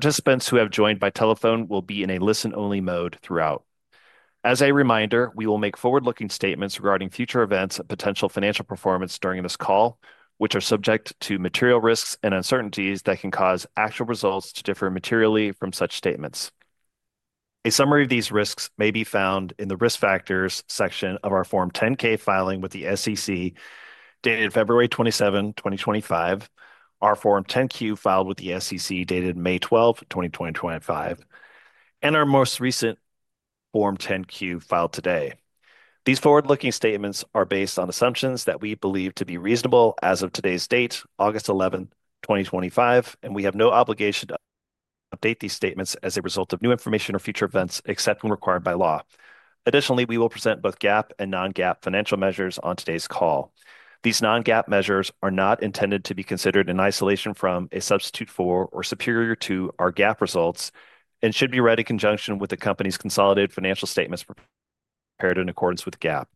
Participants who have joined by telephone will be in a listen-only mode throughout. As a reminder, we will make forward-looking statements regarding future events and potential financial performance during this call, which are subject to material risks and uncertainties that can cause actual results to differ materially from such statements. A summary of these risks may be found in the Risk Factors section of our Form 10-K filing with the SEC dated February 27, 2025, our Form 10-Q filed with the SEC dated May 12, 2025, and our most recent Form 10-Q filed today. These forward-looking statements are based on assumptions that we believe to be reasonable as of today's date, August 11, 2025, and we have no obligation to update these statements as a result of new information or future events except when required by law. Additionally, we will present both GAAP and non-GAAP financial measures on today's call. These non-GAAP measures are not intended to be considered in isolation from, a substitute for, or superior to our GAAP results and should be read in conjunction with the company's consolidated financial statements prepared in accordance with GAAP.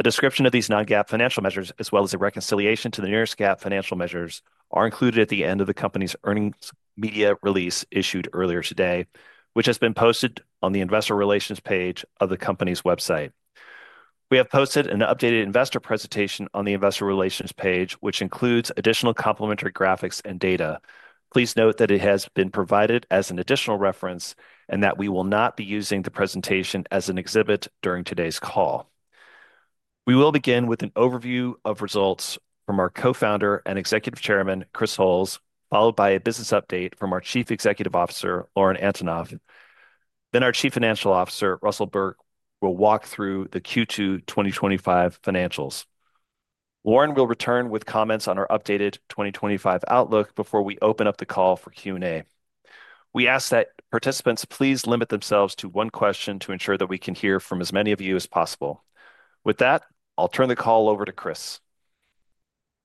A description of these non-GAAP financial measures, as well as a reconciliation to the nearest GAAP financial measures, are included at the end of the company's earnings media release issued earlier today, which has been posted on the Investor Relations page of the company's website. We have posted an updated investor presentation on the Investor Relations page, which includes additional complimentary graphics and data. Please note that it has been provided as an additional reference and that we will not be using the presentation as an exhibit during today's call. We will begin with an overview of results from our Co-Founder and Executive Chairman, Chris Hulls, followed by a business update from our Chief Executive Officer, Lauren Antonoff. Then our Chief Financial Officer, Russell Burke, will walk through the Q2 2025 financials. Lauren will return with comments on our updated 2025 outlook before we open up the call for Q&A. We ask that participants please limit themselves to one question to ensure that we can hear from as many of you as possible. With that, I'll turn the call over to Chris.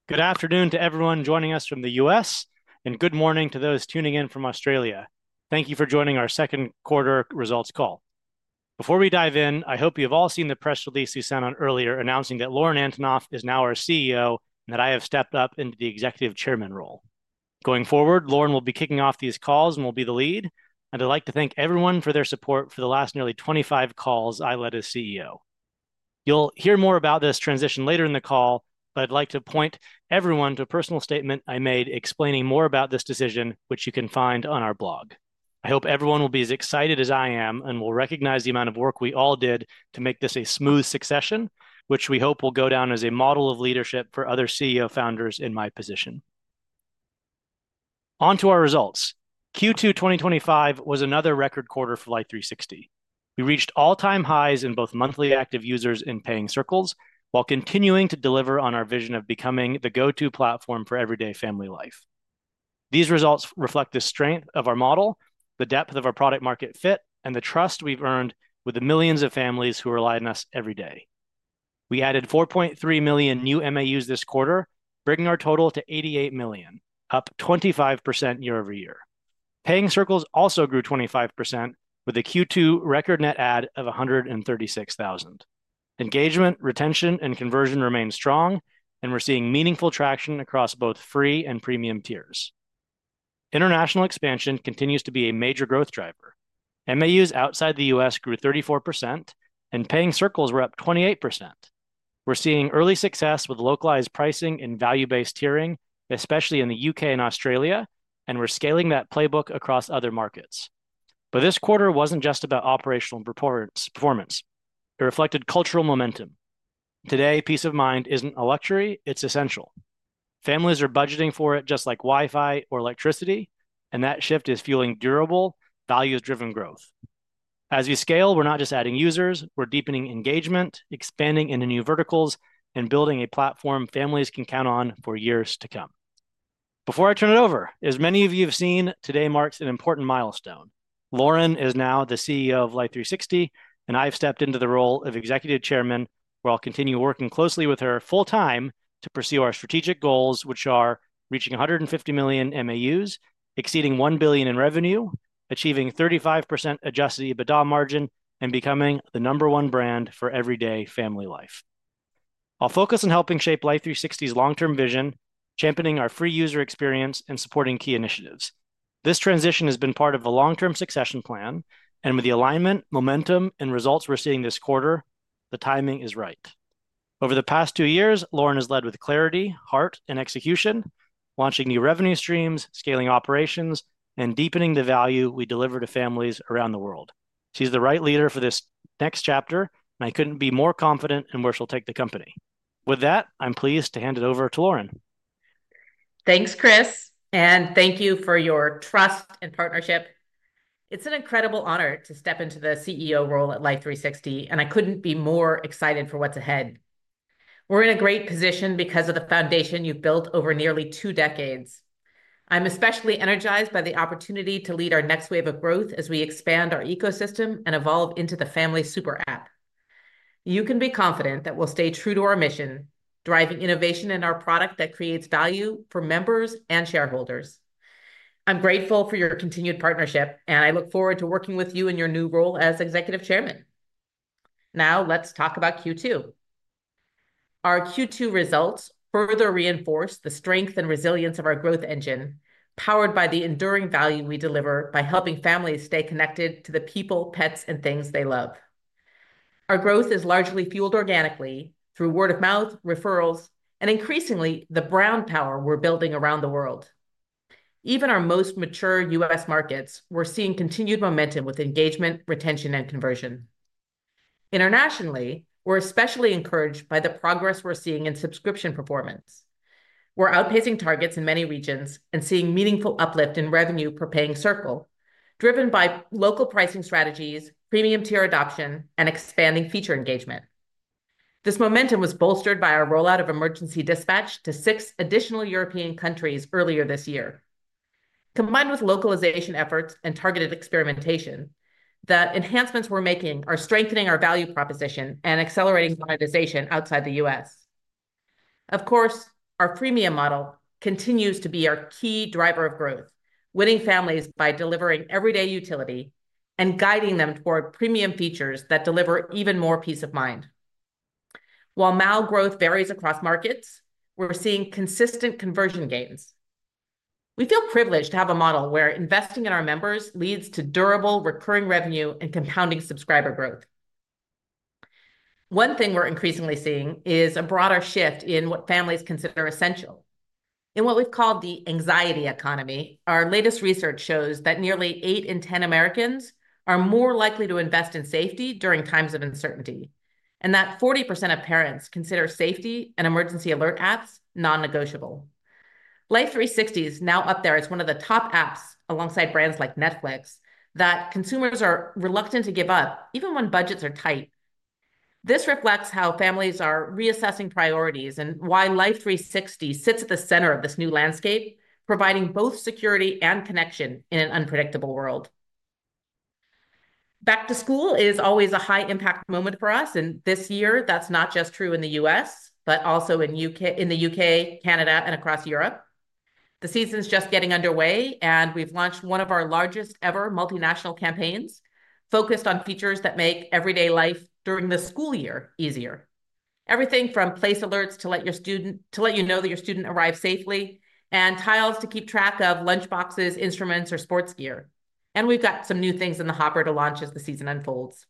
Good afternoon to everyone joining us from the U.S., and good morning to those tuning in from Australia. Thank you for joining our second quarter results call. Before we dive in, I hope you have all seen the press release we sent out earlier announcing that Lauren Antonoff is now our CEO and that I have stepped up into the Executive Chairman role. Going forward, Lauren will be kicking off these calls and will be the lead, and I'd like to thank everyone for their support for the last nearly 25 calls I led as CEO. You'll hear more about this transition later in the call, but I'd like to point everyone to a personal statement I made explaining more about this decision, which you can find on our blog. I hope everyone will be as excited as I am and will recognize the amount of work we all did to make this a smooth succession, which we hope will go down as a model of leadership for other CEO founders in my position. On to our results. Q2 2025 was another record quarter for Life360. We reached all-time highs in both Monthly Active Users and Paying Circles, while continuing to deliver on our vision of becoming the go-to platform for everyday family life. These results reflect the strength of our model, the depth of our product-market fit, and the trust we've earned with the millions of families who rely on us every day. We added 4.3 million new MAUs this quarter, bringing our total to 88 million, up 25% year-over-year. Paying Circles also grew 25%, with a Q2 record net add of 136,000. Engagement, retention, and conversion remain strong, and we're seeing meaningful traction across both free and premium tiers. International expansion continues to be a major growth driver. MAUs outside the U.S. grew 34%, and Paying Circles were up 28%. We're seeing early success with localized pricing and value-based tiering, especially in the U.K. and Australia, and we're scaling that playbook across other markets. This quarter wasn't just about operational performance. It reflected cultural momentum. Today, peace of mind isn't a luxury; it's essential. Families are budgeting for it just like Wi-Fi or electricity, and that shift is fueling durable, values-driven growth. As we scale, we're not just adding users; we're deepening engagement, expanding into new verticals, and building a platform families can count on for years to come. Before I turn it over, as many of you have seen, today marks an important milestone. Lauren is now the CEO of Life360, and I've stepped into the role of Executive Chairman, where I'll continue working closely with her full-time to pursue our strategic goals, which are reaching 150 million MAUs, exceeding $1 billion in revenue, achieving 35% adjusted EBITDA margin, and becoming the number one brand for everyday family life. I'll focus on helping shape Life360's long-term vision, championing our free user experience, and supporting key initiatives. This transition has been part of a long-term succession plan, and with the alignment, momentum, and results we're seeing this quarter, the timing is right. Over the past two years, Lauren has led with clarity, heart, and execution, launching new revenue streams, scaling operations, and deepening the value we deliver to families around the world. She's the right leader for this next chapter, and I couldn't be more confident in where she'll take the company. With that, I'm pleased to hand it over to Lauren. Thanks, Chris, and thank you for your trust and partnership. It's an incredible honor to step into the CEO role at Life360, and I couldn't be more excited for what's ahead. We're in a great position because of the foundation you've built over nearly two decades. I'm especially energized by the opportunity to lead our next wave of growth as we expand our ecosystem and evolve into the Family Super App. You can be confident that we'll stay true to our mission, driving innovation in our product that creates value for members and shareholders. I'm grateful for your continued partnership, and I look forward to working with you in your new role as Executive Chairman. Now, let's talk about Q2. Our Q2 results further reinforce the strength and resilience of our growth engine, powered by the enduring value we deliver by helping families stay connected to the people, pets, and things they love. Our growth is largely fueled organically through word-of-mouth referrals and increasingly the brand power we're building around the world. Even in our most mature U.S. markets, we're seeing continued momentum with engagement, retention, and conversion. Internationally, we're especially encouraged by the progress we're seeing in subscription performance. We're outpacing targets in many regions and seeing meaningful uplift in revenue per paying circle, driven by localized pricing strategies, premium tier adoption, and expanding feature engagement. This momentum was bolstered by our rollout of Emergency Dispatch to six additional European countries earlier this year. Combined with localization efforts and targeted experimentation, the enhancements we're making are strengthening our value proposition and accelerating monetization outside the U.S. Of course, our premium model continues to be our key driver of growth, winning families by delivering everyday utility and guiding them toward premium features that deliver even more peace of mind. While MAU growth varies across markets, we're seeing consistent conversion gains. We feel privileged to have a model where investing in our members leads to durable recurring revenue and compounding subscriber growth. One thing we're increasingly seeing is a broader shift in what families consider essential. In what we've called the Anxiety Economy, our latest research shows that nearly eight in ten Americans are more likely to invest in safety during times of uncertainty, and that 40% of parents consider safety and emergency alert apps non-negotiable. Life360 is now up there as one of the top apps alongside brands like Netflix that consumers are reluctant to give up even when budgets are tight. This reflects how families are reassessing priorities and why Life360 sits at the center of this new landscape, providing both security and connection in an unpredictable world. Back to school is always a high-impact moment for us, and this year that's not just true in the U.S., but also in the U.K., Canada, and across Europe. The season's just getting underway, and we've launched one of our largest ever multinational campaigns focused on features that make everyday life during the school year easier. Everything from place alerts to let you know that your student arrived safely, and Tiles to keep track of lunch boxes, instruments, or sports gear. We've got some new things in the hopper to launch as the season unfolds.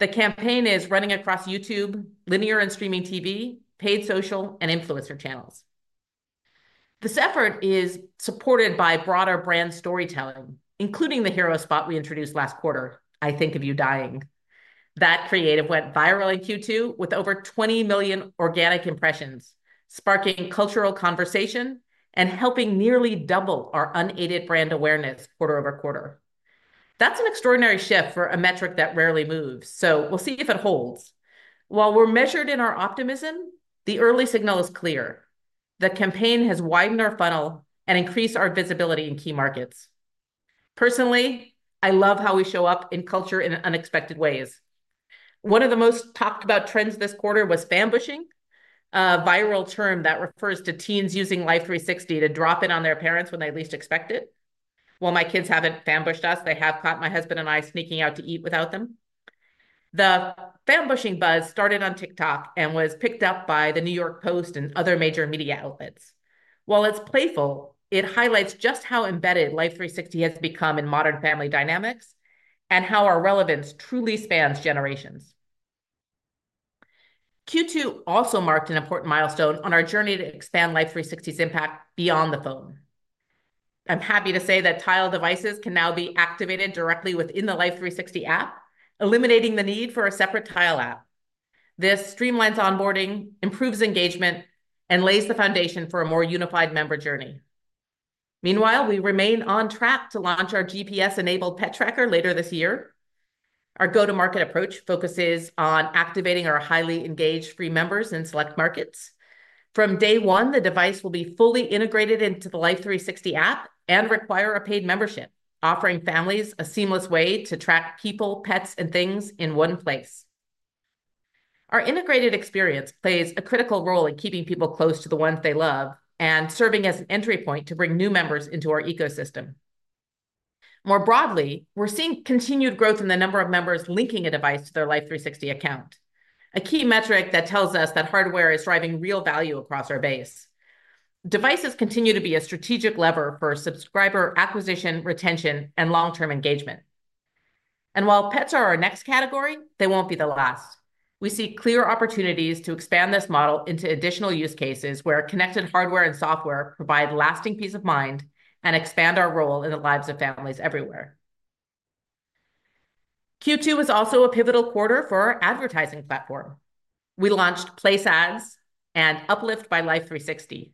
The campaign is running across YouTube, linear and streaming TV, paid social, and influencer channels. This effort is supported by broader brand storytelling, including the hero spot we introduced last quarter, "I Think of You Dying." That creative went viral in Q2 with over 20 million organic impressions, sparking cultural conversation and helping nearly double our unaided brand awareness quarter-over-quarter. That's an extraordinary shift for a metric that rarely moves, so we'll see if it holds. While we're measured in our optimism, the early signal is clear: the campaign has widened our funnel and increased our visibility in key markets. Personally, I love how we show up in culture in unexpected ways. One of the most talked about trends this quarter was Fan Bushing, a viral term that refers to teens using Life360 to drop in on their parents when they least expect it. While my kids haven't fan bushed us, they have caught my husband and I sneaking out to eat without them. The Fan Bushing buzz started on TikTok and was picked up by the New York Post and other major media outlets. While it's playful, it highlights just how embedded Life360 has become in modern family dynamics and how our relevance truly spans generations. Q2 also marked an important milestone on our journey to expand Life360's impact beyond the phone. I'm happy to say that Tile devices can now be activated directly within the Life360 app, eliminating the need for a separate Tile app. This streamlines onboarding, improves engagement, and lays the foundation for a more unified member journey. Meanwhile, we remain on track to launch our GPS-enabled pet tracker later this year. Our go-to-market approach focuses on activating our highly engaged free members in select markets. From day one, the device will be fully integrated into the Life360 app and require a paid membership, offering families a seamless way to track people, pets, and things in one place. Our integrated experience plays a critical role in keeping people close to the ones they love and serving as an entry point to bring new members into our ecosystem. More broadly, we're seeing continued growth in the number of members linking a device to their Life360 account, a key metric that tells us that hardware is driving real value across our base. Devices continue to be a strategic lever for subscriber acquisition, retention, and long-term engagement. While pets are our next category, they won't be the last. We see clear opportunities to expand this model into additional use cases where connected hardware and software provide lasting peace of mind and expand our role in the lives of families everywhere. Q2 was also a pivotal quarter for our advertising platform. We launched Place Ads and Uplift by Life360.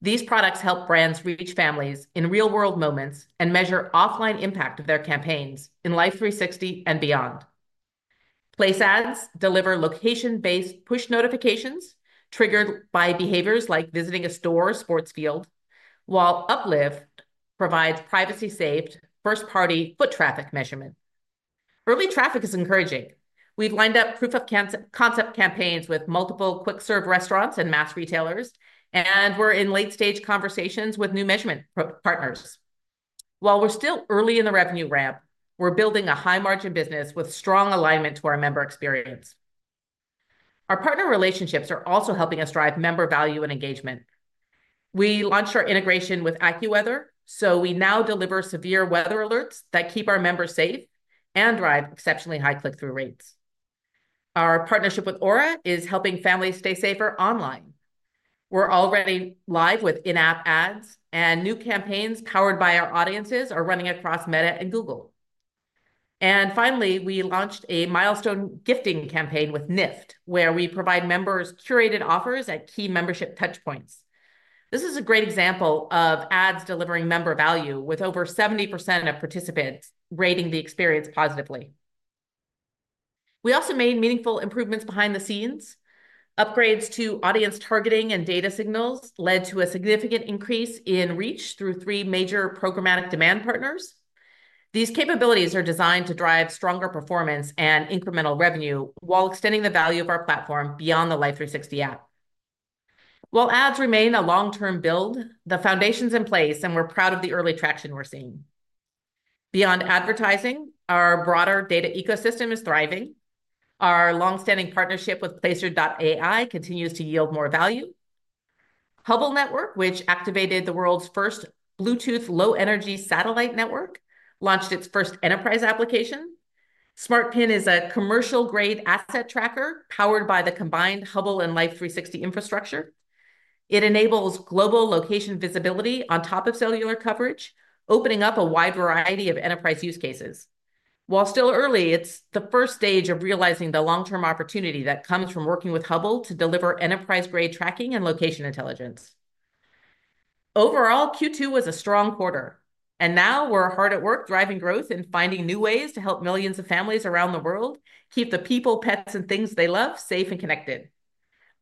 These products help brands reach families in real-world moments and measure offline impact of their campaigns in Life360 and beyond. Place Ads deliver location-based push notifications triggered by behaviors like visiting a store or sports field, while Uplift provides privacy-safe first-party foot traffic measurement. Early traffic is encouraging. We've lined up proof of concept campaigns with multiple quick-serve restaurants and mass retailers, and we're in late-stage conversations with new measurement partners. While we're still early in the revenue ramp, we're building a high-margin business with strong alignment to our member experience. Our partner relationships are also helping us drive member value and engagement. We launched our integration with AccuWeather, so we now deliver severe weather alerts that keep our members safe and drive exceptionally high click-through rates. Our partnership with Aura is helping families stay safer online. We're already live with in-app ads, and new campaigns powered by our audiences are running across Meta and Google. Finally, we launched a milestone gifting campaign with Nift, where we provide members curated offers at key membership touchpoints. This is a great example of ads delivering member value with over 70% of participants rating the experience positively. We also made meaningful improvements behind the scenes. Upgrades to audience targeting and data signals led to a significant increase in reach through three major programmatic demand partners. These capabilities are designed to drive stronger performance and incremental revenue while extending the value of our platform beyond the Life360 app. While ads remain a long-term build, the foundation's in place, and we're proud of the early traction we're seeing. Beyond advertising, our broader data ecosystem is thriving. Our longstanding partnership with Placer.ai continues to yield more value. Hubble Network, which activated the world's first Bluetooth low-energy satellite network, launched its first enterprise application. Smartpin is a commercial-grade asset tracker powered by the combined Hubble and Life360 infrastructure. It enables global location visibility on top of cellular coverage, opening up a wide variety of enterprise use cases. While still early, it's the first stage of realizing the long-term opportunity that comes from working with Hubble to deliver enterprise-grade tracking and location intelligence. Overall, Q2 was a strong quarter, and now we're hard at work driving growth and finding new ways to help millions of families around the world keep the people, pets, and things they love safe and connected.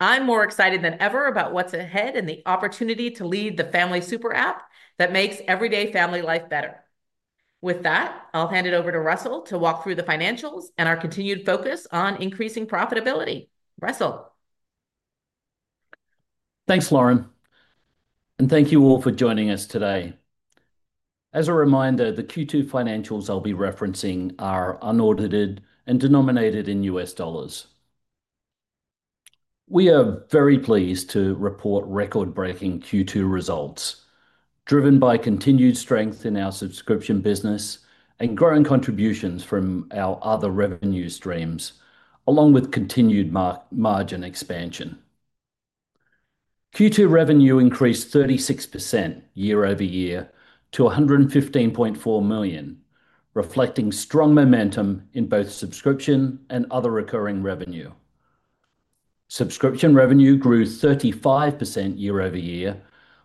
I'm more excited than ever about what's ahead and the opportunity to lead the Family Super App that makes everyday family life better. With that, I'll hand it over to Russell to walk through the financials and our continued focus on increasing profitability. Russell. Thanks, Lauren, and thank you all for joining us today. As a reminder, the Q2 financials I'll be referencing are unaudited and denominated in U.S. dollars. We are very pleased to report record-breaking Q2 results, driven by continued strength in our subscription business and growing contributions from our other revenue streams, along with continued margin expansion. Q2 revenue increased 36% year-over-year to $115.4 million, reflecting strong momentum in both subscription and other recurring revenue. Subscription revenue grew 35% year-over-year,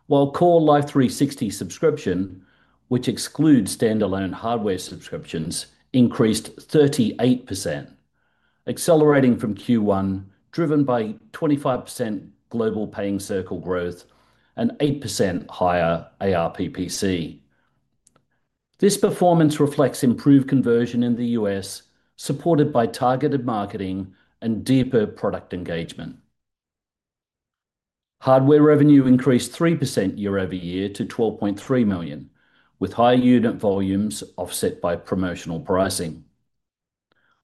while core Life360 subscription, which excludes standalone hardware subscriptions, increased 38%, accelerating from Q1, driven by 25% global paying circle growth and 8% higher ARPPC. This performance reflects improved conversion in the U.S., supported by targeted marketing and deeper product engagement. Hardware revenue increased 3% year-over-year to $12.3 million, with high unit volumes offset by promotional pricing.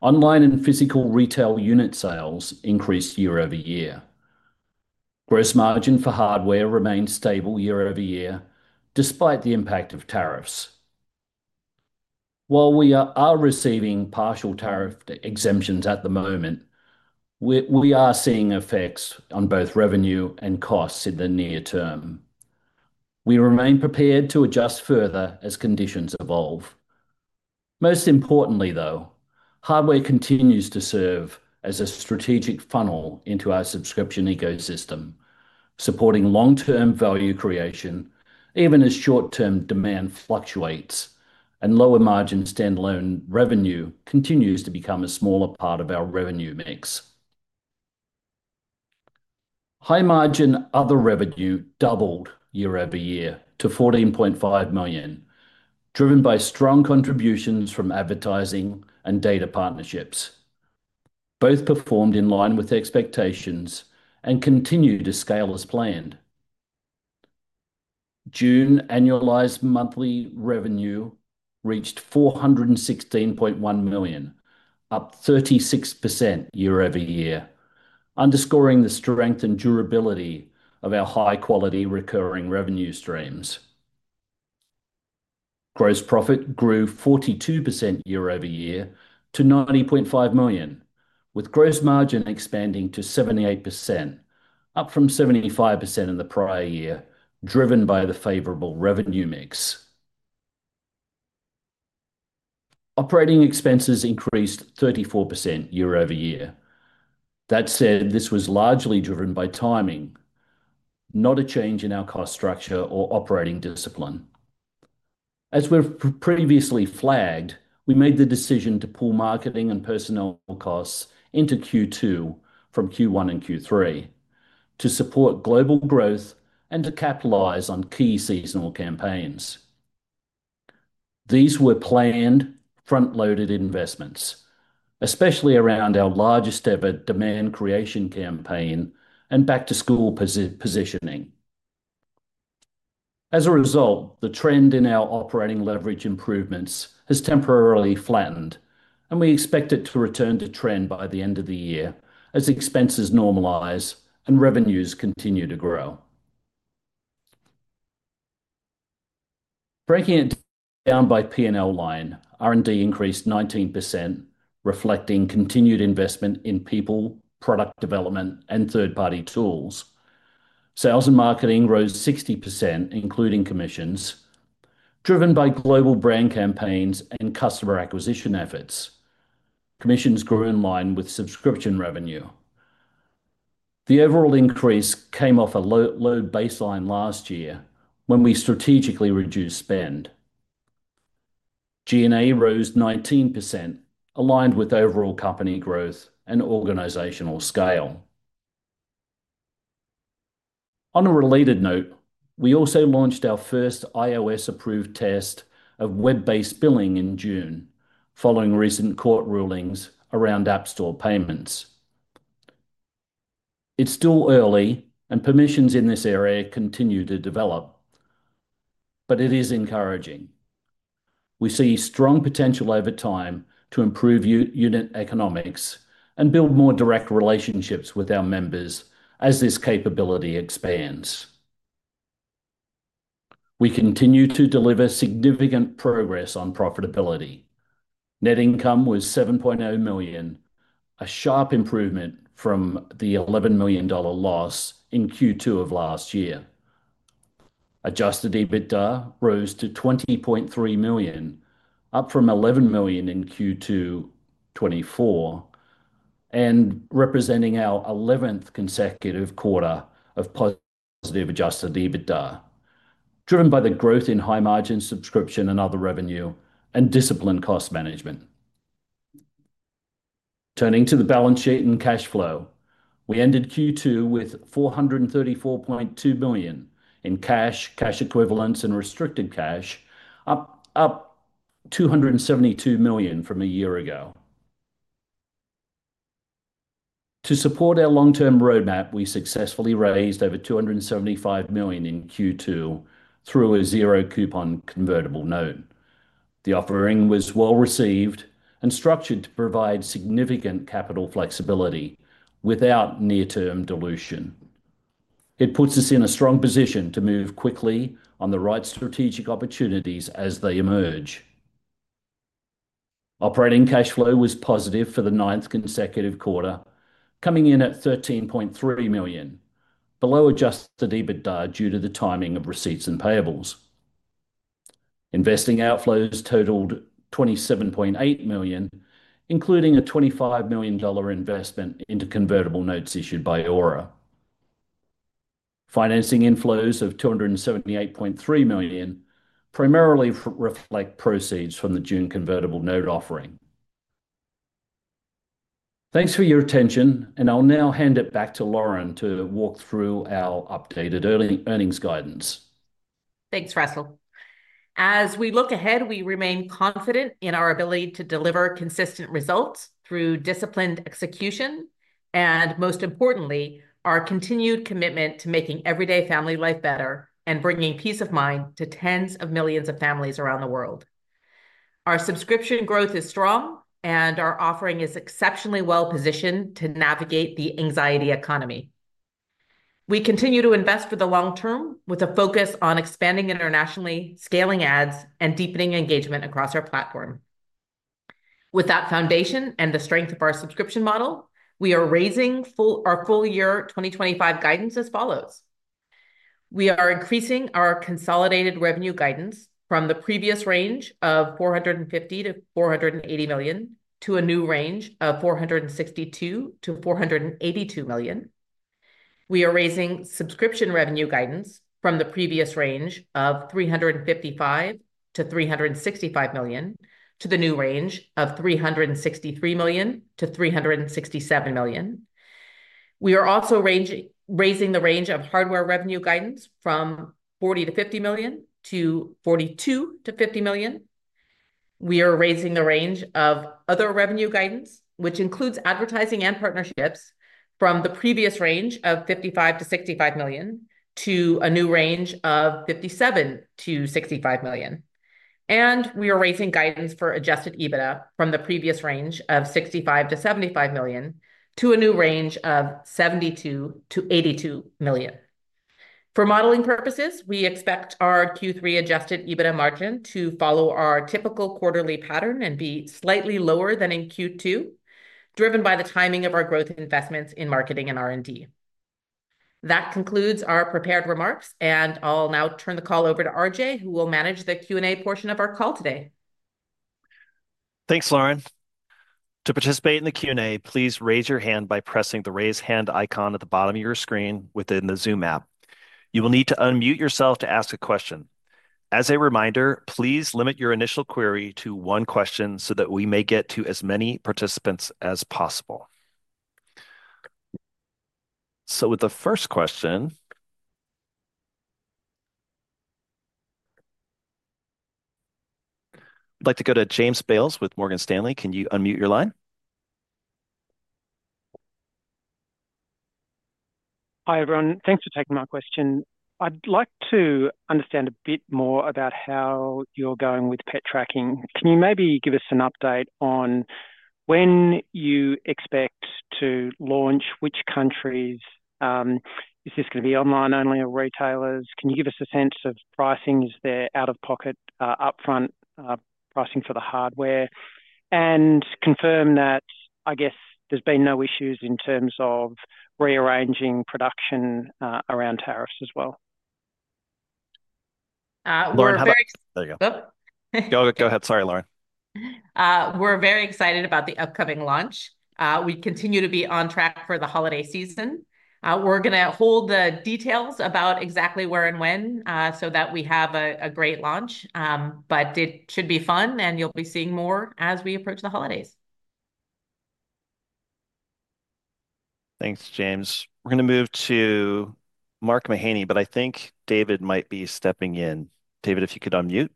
Online and physical retail unit sales increased year-over-year. Gross margin for hardware remains stable year-over-year, despite the impact of tariffs. While we are receiving partial tariff exemptions at the moment, we are seeing effects on both revenue and costs in the near term. We remain prepared to adjust further as conditions evolve. Most importantly, though, hardware continues to serve as a strategic funnel into our subscription ecosystem, supporting long-term value creation, even as short-term demand fluctuates and lower margin standalone revenue continues to become a smaller part of our revenue mix. High margin other revenue doubled year-over-year to $14.5 million, driven by strong contributions from advertising and data partnerships. Both performed in line with expectations and continue to scale as planned. June annualized monthly revenue reached $416.1 million, up 36% year-over-year, underscoring the strength and durability of our high-quality recurring revenue streams. Gross profit grew 42% year-over-year to $90.5 million, with gross margin expanding to 78%, up from 75% in the prior year, driven by the favorable revenue mix. Operating expenses increased 34% year-over-year. That said, this was largely driven by timing, not a change in our cost structure or operating discipline. As we've previously flagged, we made the decision to pull marketing and personnel costs into Q2 from Q1 and Q3 to support global growth and to capitalize on key seasonal campaigns. These were planned, front-loaded investments, especially around our largest ever demand creation campaign and back-to-school positioning. As a result, the trend in our operating leverage improvements has temporarily flattened, and we expect it to return to trend by the end of the year as expenses normalize and revenues continue to grow. Breaking it down by P&L line, R&D increased 19%, reflecting continued investment in people, product development, and third-party tools. Sales and marketing rose 60%, including commissions, driven by global brand campaigns and customer acquisition efforts. Commissions grew in line with subscription revenue. The overall increase came off a low baseline last year when we strategically reduced spend. G&A rose 19%, aligned with overall company growth and organizational scale. On a related note, we also launched our first iOS-approved test of web-based billing in June, following recent court rulings around App Store payments. It's still early, and permissions in this area continue to develop, but it is encouraging. We see strong potential over time to improve unit economics and build more direct relationships with our members as this capability expands. We continue to deliver significant progress on profitability. Net income was $7.0 million, a sharp improvement from the $11 million loss in Q2 of last year. Adjusted EBITDA rose to $20.3 million, up from $11 million in Q2 2024, and representing our 11th consecutive quarter of positive adjusted EBITDA, driven by the growth in high margin subscription and other revenue and discipline cost management. Turning to the balance sheet and cash flow, we ended Q2 with $434.2 million in cash, cash equivalents, and restricted cash, up $272 million from a year ago. To support our long-term roadmap, we successfully raised over $275 million in Q2 through a zero-coupon convertible note. The offering was well received and structured to provide significant capital flexibility without near-term dilution. It puts us in a strong position to move quickly on the right strategic opportunities as they emerge. Operating cash flow was positive for the ninth consecutive quarter, coming in at $13.3 million, below adjusted EBITDA due to the timing of receipts and payables. Investing outflows totaled $27.8 million, including a $25 million investment into convertible notes issued by Aura. Financing inflows of $278.3 million primarily reflect proceeds from the June convertible note offering. Thanks for your attention, and I'll now hand it back to Lauren to walk through our updated earnings guidance. Thanks, Russell. As we look ahead, we remain confident in our ability to deliver consistent results through disciplined execution and, most importantly, our continued commitment to making everyday family life better and bringing peace of mind to tens of millions of families around the world. Our subscription growth is strong, and our offering is exceptionally well positioned to navigate the Anxiety Economy. We continue to invest for the long term with a focus on expanding internationally, scaling ads, and deepening engagement across our platform. With that foundation and the strength of our subscription model, we are raising our full year 2025 guidance as follows. We are increasing our consolidated revenue guidance from the previous range of $450 million- $480 million to a new range of $462 million-$482 million. We are raising subscription revenue guidance from the previous range of $355 million-$365 million to the new range of $363 million-$367 million. We are also raising the range of hardware revenue guidance from $40 million-$50 million to $42 million-$50 million. We are raising the range of other revenue guidance, which includes advertising and partnerships, from the previous range of $55 million-$65 million to a new range of $57 million-$65 million. We are raising guidance for adjusted EBITDA from the previous range of $65 million-$75 million to a new range of $72 million-$82 million. For modeling purposes, we expect our Q3 adjusted EBITDA margin to follow our typical quarterly pattern and be slightly lower than in Q2, driven by the timing of our growth investments in marketing and R&D. That concludes our prepared remarks, and I'll now turn the call over to RJ, who will manage the Q&A portion of our call today. Thanks, Lauren. To participate in the Q&A, please raise your hand by pressing the raise hand icon at the bottom of your screen within the Zoom app. You will need to unmute yourself to ask a question. As a reminder, please limit your initial query to one question so that we may get to as many participants as possible. With the first question, I'd like to go to James Bales with Morgan Stanley. Can you unmute your line? Hi everyone, thanks for taking my question. I'd like to understand a bit more about how you're going with pet tracking. Can you maybe give us an update on when you expect to launch? Which countries? Is this going to be online only or retailers? Can you give us a sense of pricing? Is there out-of-pocket upfront pricing for the hardware? I guess there's been no issues in terms of rearranging production around tariffs as well. Lauren, there you go. Go ahead, sorry Lauren. We're very excited about the upcoming launch. We continue to be on track for the holiday season. We're going to hold the details about exactly where and when, so that we have a great launch, but it should be fun and you'll be seeing more as we approach the holidays. Thanks, James. We're going to move to Mark Mahaney, but I think David might be stepping in. David, if you could unmute.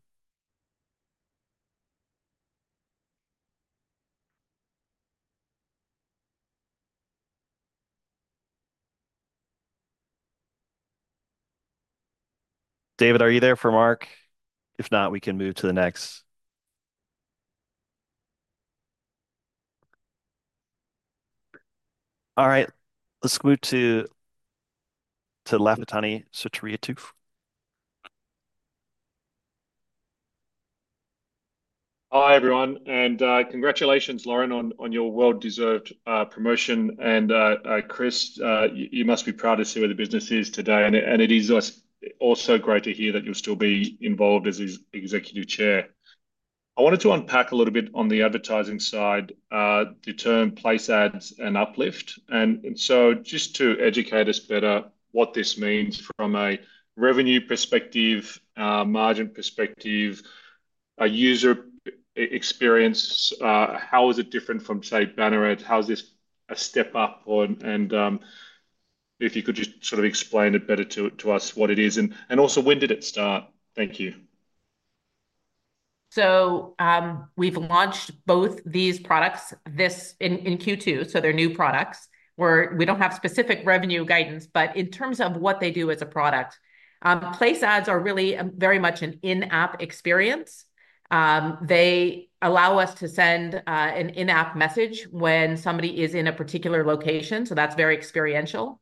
David, are you there for Mark? If not, we can move to the next. All right, let's move to Lafitani Sotiriou Hi everyone, and congratulations Lauren on your well-deserved promotion. Chris, you must be proud to see where the business is today, and it is also great to hear that you'll still be involved as Executive Chair. I wanted to unpack a little bit on the advertising side, the term Place Ads and Uplift. Just to educate us better what this means from a revenue perspective, margin perspective, a user experience, how is it different from say banner ads? How is this a step up? If you could just sort of explain it better to us what it is and also when did it start? Thank you. We've launched both these products in Q2, so they're new products. We don't have specific revenue guidance, but in terms of what they do as a product, Place Ads are really very much an in-app experience. They allow us to send an in-app message when somebody is in a particular location, so that's very experiential.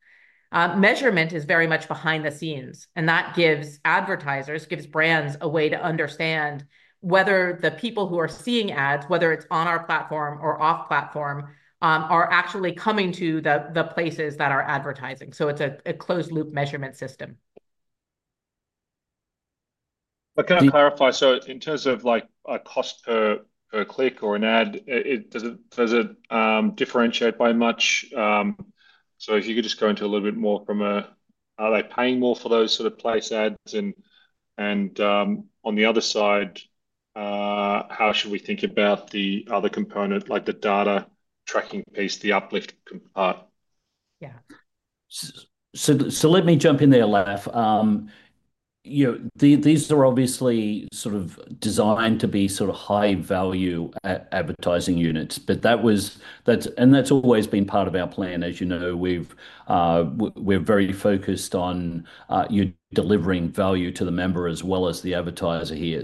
Measurement is very much behind the scenes, and that gives advertisers, gives brands a way to understand whether the people who are seeing ads, whether it's on our platform or off platform, are actually coming to the places that are advertising. It's a closed loop measurement system. Can I clarify? In terms of a cost per click or an ad, does it differentiate by much? If you could just go into a little bit more from a, are they paying more for those sort of Place Ads? On the other side, how should we think about the other component, like the data tracking piece, the Uplift component? Yeah. Let me jump in there, Laf. These are obviously designed to be high-value advertising units, and that's always been part of our plan. As you know, we're very focused on delivering value to the member as well as the advertiser here.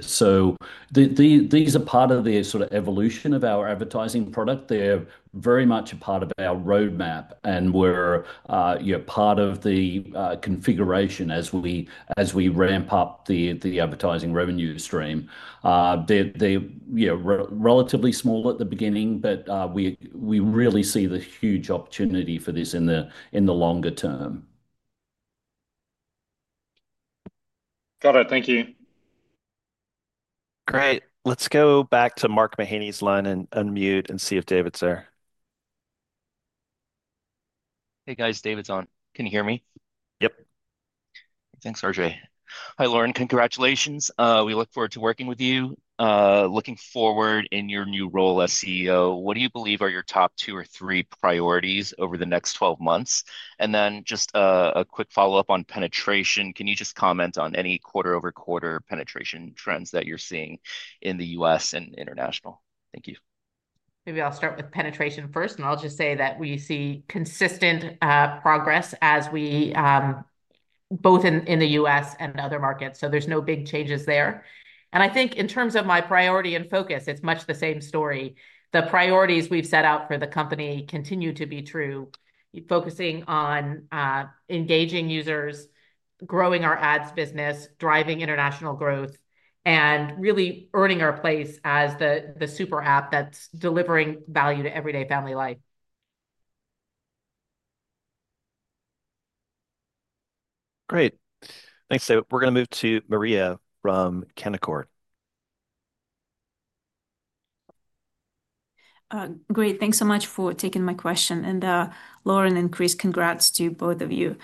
These are part of the evolution of our advertising product. They're very much a part of our roadmap and were part of the configuration as we ramp up the advertising revenue stream. They're relatively small at the beginning, but we really see the huge opportunity for this in the longer term. Got it. Thank you. Great. Let's go back to Mark Mahaney's line and unmute to see if David's there. Hey guys, David's on. Can you hear me? Yep. Thanks, RJ. Hi Lauren, congratulations. We look forward to working with you. Looking forward in your new role as CEO, what do you believe are your top two or three priorities over the next 12 months? Just a quick follow-up on penetration. Can you comment on any quarter-over-quarter penetration trends that you're seeing in the U.S. and international? Thank you. Maybe I'll start with penetration first, and I'll just say that we see consistent progress as we, both in the U.S. and other markets. There's no big changes there. I think in terms of my priority and focus, it's much the same story. The priorities we've set out for the company continue to be true, focusing on engaging users, growing our ads business, driving international growth, and really earning our place as the Super App that's delivering value to everyday family life. Great. Thanks, David. We're going to move to Maria from Canaccord Great. Thanks so much for taking my question. Lauren and Chris, congrats to both of you.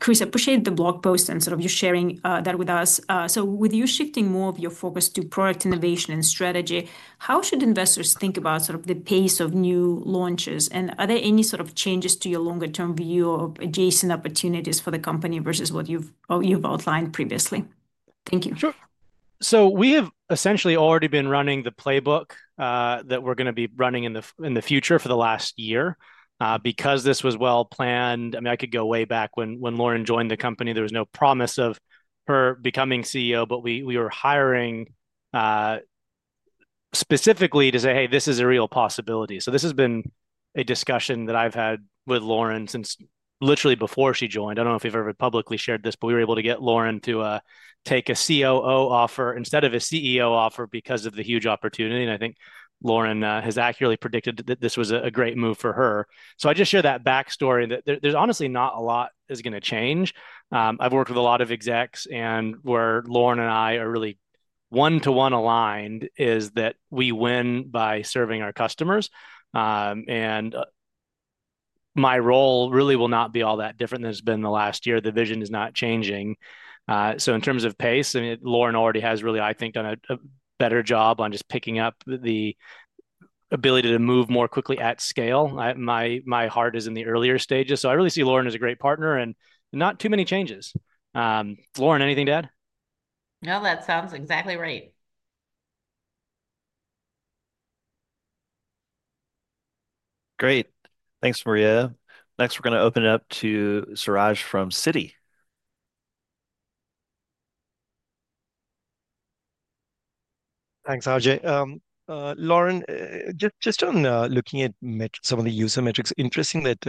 Chris, I appreciate the blog post and your sharing that with us. With you shifting more of your focus to product innovation and strategy, how should investors think about the pace of new launches? Are there any changes to your longer-term view of adjacent opportunities for the company versus what you've outlined previously? Thank you. Sure. We have essentially already been running the playbook that we're going to be running in the future for the last year. Because this was well planned, I mean, I could go way back when Lauren joined the company. There was no promise of her becoming CEO, but we were hiring specifically to say, hey, this is a real possibility. This has been a discussion that I've had with Lauren since literally before she joined. I don't know if we've ever publicly shared this, but we were able to get Lauren to take a COO offer instead of a CEO offer because of the huge opportunity. I think Lauren has accurately predicted that this was a great move for her. I just share that backstory that there's honestly not a lot that's going to change. I've worked with a lot of execs, and where Lauren and I are really one-to-one aligned is that we win by serving our customers. My role really will not be all that different than it's been the last year. The vision is not changing. In terms of pace, Lauren already has really, I think, done a better job on just picking up the ability to move more quickly at scale. My heart is in the earlier stages. I really see Lauren as a great partner and not too many changes. Lauren, anything to add? No, that sounds exactly right. Great. Thanks, Maria. Next, we're going to open it up to Suraj from Citi. Thanks, RJ. Lauren, just on looking at some of the user metrics, interesting that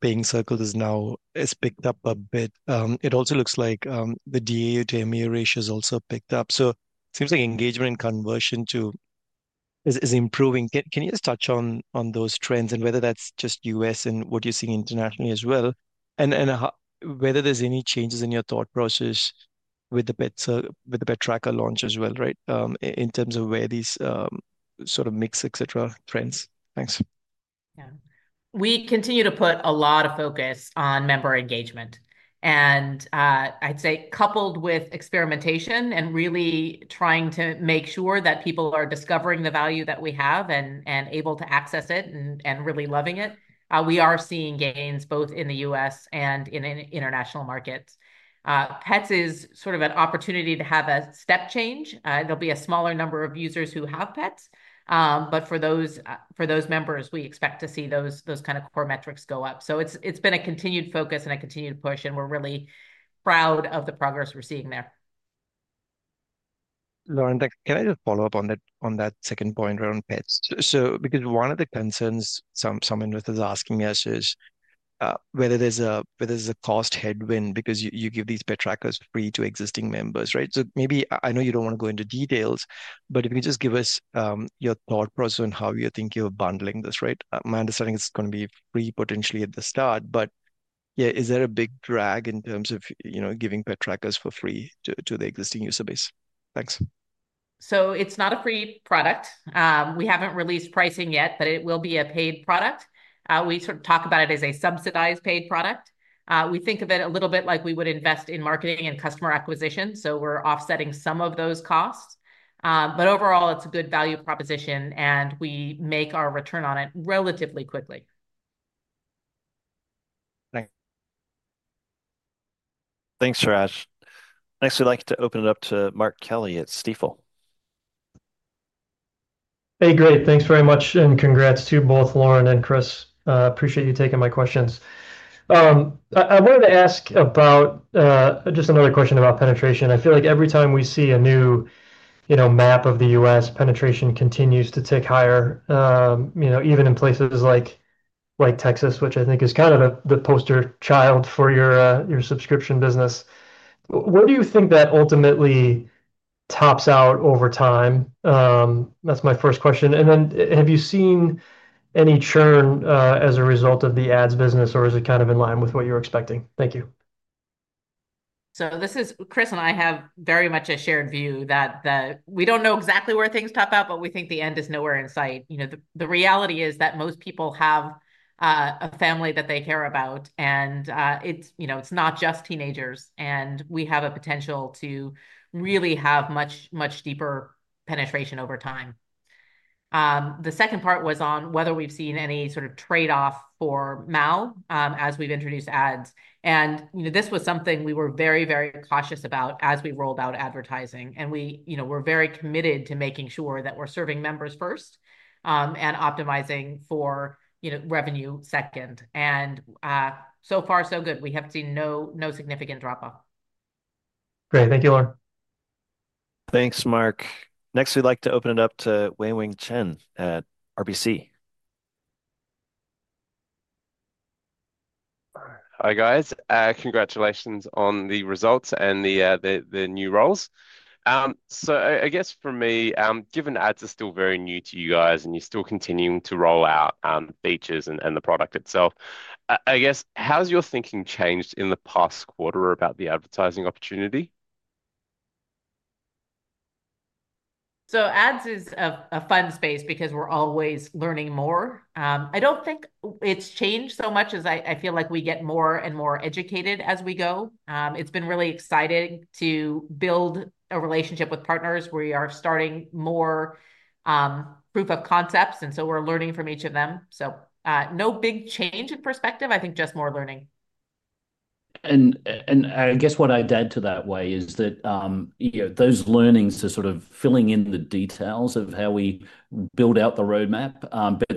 Paying Circles has now picked up a bit. It also looks like the DAU to MAU ratio has also picked up. It seems like engagement and conversion is improving. Can you just touch on those trends and whether that's just U.S. and what you're seeing internationally as well? Whether there's any changes in your thought process with the pet tracker launch as well, in terms of where these sort of mix, etc., trends? Thanks. Yeah. We continue to put a lot of focus on member engagement. I'd say coupled with experimentation and really trying to make sure that people are discovering the value that we have and able to access it and really loving it, we are seeing gains both in the U.S. and in international markets. Pets is sort of an opportunity to have a step change. There will be a smaller number of users who have pets, but for those members, we expect to see those kind of core metrics go up. It has been a continued focus and a continued push, and we're really proud of the progress we're seeing there. Lauren, can I just follow up on that second point around pets? One of the concerns some investors are asking us is whether there's a cost headwind because you give these pet trackers free to existing members, right? I know you don't want to go into details, but if you could just give us your thought process on how you think you're bundling this, right? My understanding is it's going to be free potentially at the start, but yeah, is there a big drag in terms of giving pet trackers for free to the existing user base? Thanks. It is not a free product. We haven't released pricing yet, but it will be a paid product. We sort of talk about it as a subsidized paid product. We think of it a little bit like we would invest in marketing and customer acquisition, so we're offsetting some of those costs. Overall, it's a good value proposition, and we make our return on it relatively quickly. Thanks. Thanks, Suraj. Next, we'd like to open it up to Mark Kelley at Stifel. Hey, great. Thanks very much, and congrats to both Lauren and Chris. Appreciate you taking my questions. I wanted to ask about just another question about penetration. I feel like every time we see a new map of the U.S., penetration continues to tick higher, even in places like Texas, which I think is kind of the poster child for your subscription business. Where do you think that ultimately tops out over time? That's my first question. Have you seen any churn as a result of the ads business, or is it kind of in line with what you're expecting? Thank you. So this is Chris, and I have very much a shared view that we don't know exactly where things top out, but we think the end is nowhere in sight. The reality is that most people have a family that they care about, and it's not just teenagers. We have a potential to really have much, much deeper penetration over time. The second part was on whether we've seen any sort of trade-off for MAU as we've introduced ads. This was something we were very, very cautious about as we rolled out advertising. We're very committed to making sure that we're serving members first and optimizing for revenue second. So far, so good. We have seen no significant drop-off. Great. Thank you, Lauren. Thanks, Mark. Next, we'd like to open it up to Wei-Weng Chen at RBC. Hi guys, congratulations on the results and the new roles. I guess for me, given ads are still very new to you guys and you're still continuing to roll out features and the product itself, how's your thinking changed in the past quarter about the advertising opportunity? Ads is a fun space because we're always learning more. I don't think it's changed so much as I feel like we get more and more educated as we go. It's been really exciting to build a relationship with partners. We are starting more proof of concepts, and we're learning from each of them. No big change in perspective, I think just more learning. What I'd add to that, Wai, is that those learnings are filling in the details of how we build out the roadmap.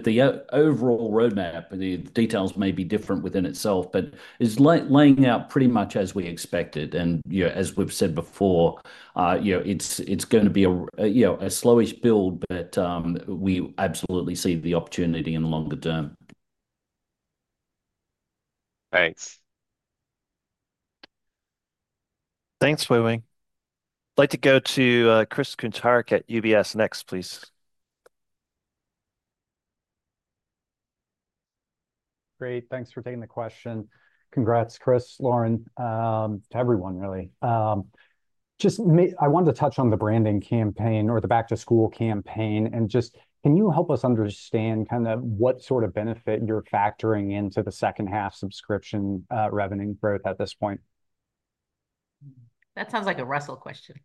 The overall roadmap, the details may be different within itself, but it's laying out pretty much as we expected. As we've said before, it's going to be a slowish build, but we absolutely see the opportunity in the longer term. Thanks. Thanks, Wei-Weng. I'd like to go to Chris Kuntarich at UBS next, please. Great. Thanks for taking the question. Congrats, Chris, Lauren, to everyone, really. I wanted to touch on the branding campaign or the back-to-school campaign, and can you help us understand kind of what sort of benefit you're factoring into the second half subscription revenue growth at this point? That sounds like a Russell question.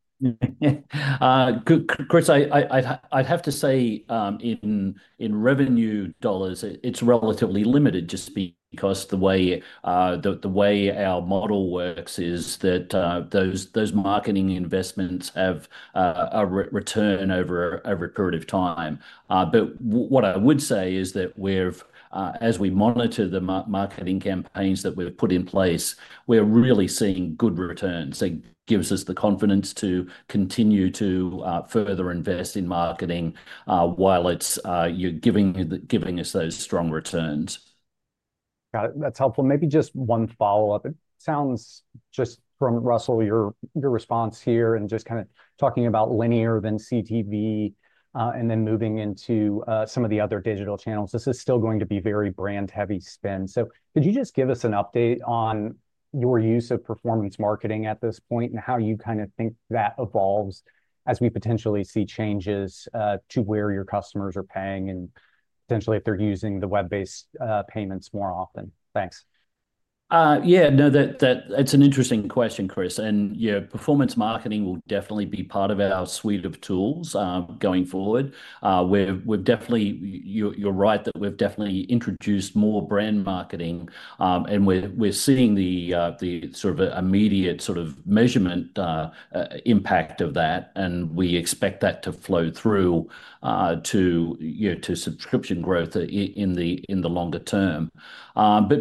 Chris, I'd have to say in revenue dollars, it's relatively limited just because the way our model works is that those marketing investments have a return over a period of time. What I would say is that as we monitor the marketing campaigns that we've put in place, we're really seeing good returns. It gives us the confidence to continue to further invest in marketing while it's giving us those strong returns. That's helpful. Maybe just one follow-up. It sounds just from Russell, your response here and just kind of talking about linear then CTV and then moving into some of the other digital channels. This is still going to be very brand-heavy spend. Could you just give us an update on your use of performance marketing at this point and how you kind of think that evolves as we potentially see changes to where your customers are paying and potentially if they're using the web-based payments more often? Thanks. Yeah, no, that's an interesting question, Chris. Performance marketing will definitely be part of our suite of tools going forward. You're right that we've definitely introduced more brand marketing, and we're seeing the sort of immediate measurement impact of that, and we expect that to flow through to subscription growth in the longer term.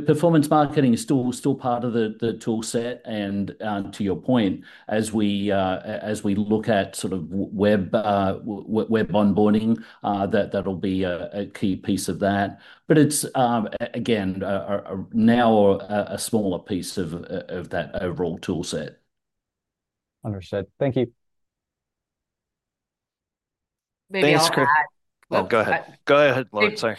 Performance marketing is still part of the toolset, and to your point, as we look at web onboarding, that'll be a key piece of that. It's again now a smaller piece of that overall toolset. Understood. Thank you. Maybe I'll add that. Go ahead, Lauren.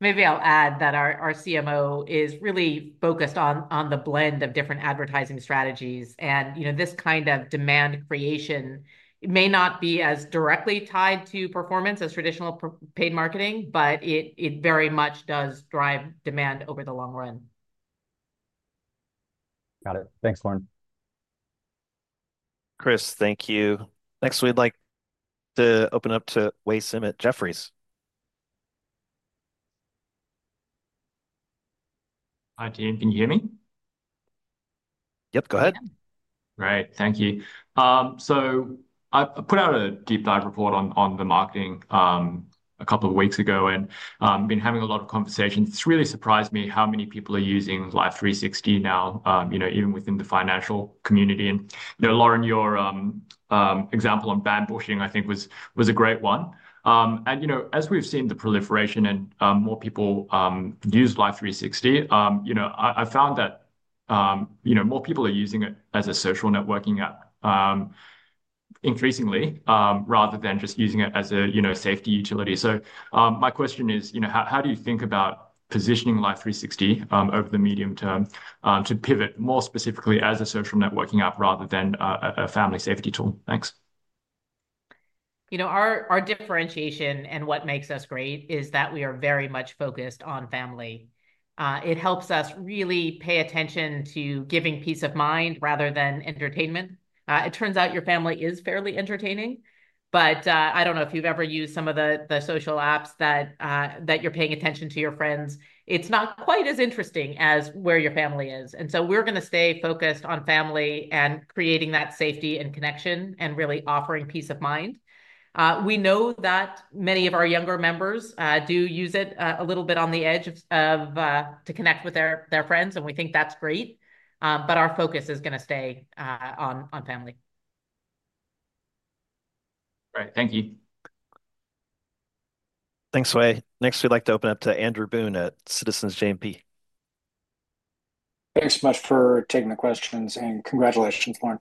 Maybe I'll add that our CMO is really focused on the blend of different advertising strategies, and you know this kind of demand creation may not be as directly tied to performance as traditional paid marketing, but it very much does drive demand over the long run. Got it. Thanks, Lauren. Chris, thank you. Next, we'd like to open up to Wei Sim at Jefferies. Hi team, can you hear me? Go ahead. Great, thank you. I put out a deep dive report on the marketing a couple of weeks ago, and I've been having a lot of conversations. It's really surprised me how many people are using Life360 now, even within the financial community. Lauren, your example on Fan Bushing, I think, was a great one. As we've seen the proliferation and more people use Life360, I found that more people are using it as a social networking app increasingly, rather than just using it as a safety utility. My question is, how do you think about positioning Life360 over the medium term to pivot more specifically as a social networking app rather than a family safety tool? Thanks. Our differentiation and what makes us great is that we are very much focused on family. It helps us really pay attention to giving peace of mind rather than entertainment. It turns out your family is fairly entertaining, but I don't know if you've ever used some of the social apps that you're paying attention to your friends. It's not quite as interesting as where your family is. We are going to stay focused on family and creating that safety and connection and really offering peace of mind. We know that many of our younger members do use it a little bit on the edge to connect with their friends, and we think that's great, but our focus is going to stay on family. All right, thank you. Thanks, Wei. Next, we'd like to open up to Andrew Boone at Citizens JMP Thanks so much for taking the questions and congratulations, Lauren.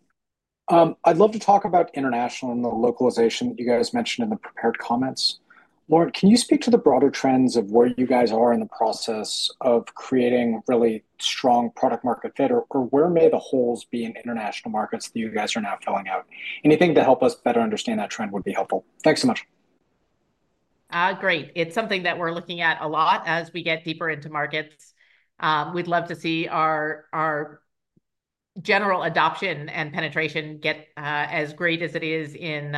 I'd love to talk about international and the localization that you guys mentioned in the prepared comments. Lauren, can you speak to the broader trends of where you guys are in the process of creating really strong product-market fit, or where may the holes be in international markets that you guys are now filling out? Anything to help us better understand that trend would be helpful. Thanks so much. Great. It's something that we're looking at a lot as we get deeper into markets. We'd love to see our general adoption and penetration get as great as it is in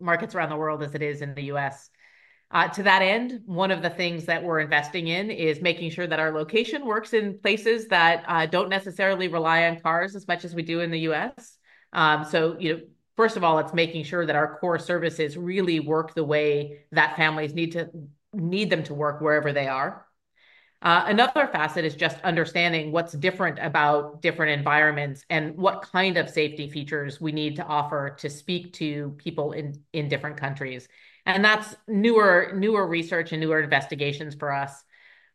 markets around the world as it is in the U.S. To that end, one of the things that we're investing in is making sure that our location works in places that don't necessarily rely on cars as much as we do in the U.S. First of all, it's making sure that our core services really work the way that families need them to work wherever they are. Another facet is just understanding what's different about different environments and what kind of safety features we need to offer to speak to people in different countries. That's newer research and newer investigations for us,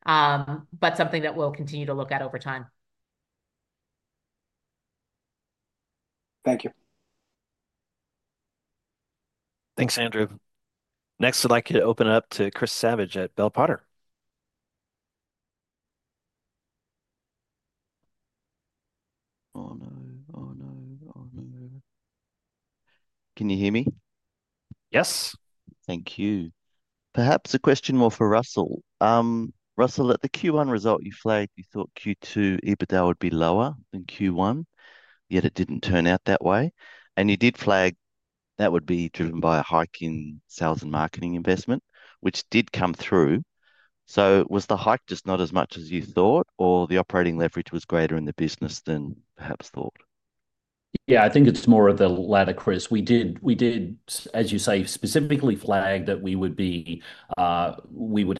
but something that we'll continue to look at over time. Thank you. Thanks, Andrew. Next, I'd like to open it up to Chris Savage at Bell Potter. Oh no, oh no, oh no. Can you hear me? Yes. Thank you. Perhaps a question more for Russell. Russell, at the Q1 result you flagged, you thought Q2 EBITDA would be lower than Q1, yet it didn't turn out that way. You did flag that would be driven by a hike in sales and marketing investment, which did come through. Was the hike just not as much as you thought, or the operating leverage was greater in the business than perhaps thought? Yeah, I think it's more of the latter, Chris. We did, as you say, specifically flag that we would